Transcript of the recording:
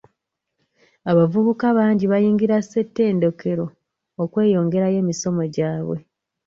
Abavubuka bangi bayingira ssetendekero okwongerayo emisomo gyabwe.